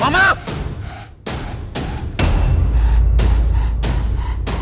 ada orang yang mendekati mobil saya